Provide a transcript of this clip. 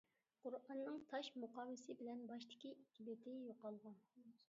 قۇرئاننىڭ تاش مۇقاۋىسى بىلەن باشتىكى ئىككى بېتى يوقالغان.